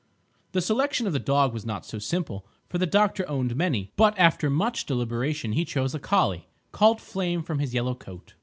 The selection of the dog was not so simple, for the doctor owned many; but after much deliberation he chose a collie, called Flame from his yellow coat.